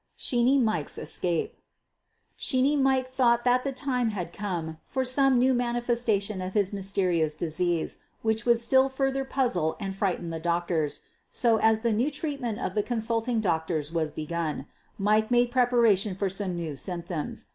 QUEEN OF THE BURGLAEa 81 "Sheeney Mike" thought that the tim« nad come for some new manifestation of his mysterious dis ease which would still further puzzle and frighten the doctor, so, as the new treatment of the consult ing doctors was begun, Mike made preparation for some new symptoms.